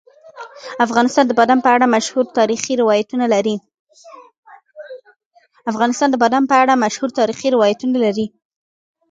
افغانستان د بادام په اړه مشهور تاریخی روایتونه لري.